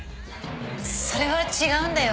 それは違うんだよ。